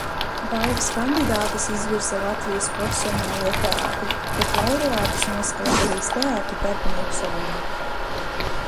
Balvas kandidātes izvirza Latvijas profesionālie teātri, bet laureātes nosaka Latvijas Teātru darbinieku savienība.